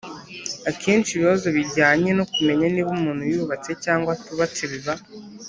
akenshi ibibazo bijyanye no kumenya niba umuntu yubatse cyangwa atubatse biba